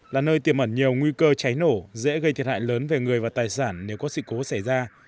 là nơi tiềm ẩn nhiều nguy cơ cháy nổ dễ gây thiệt hại lớn về người và tài sản nếu có sự cố xảy ra